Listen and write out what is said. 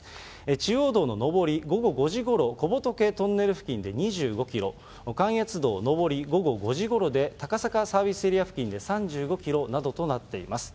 中央道の上り、午後５時ごろ、小仏トンネル付近で２５キロ、関越道上り、午後５時ごろで高坂サービスエリア付近で３５キロなどとなっています。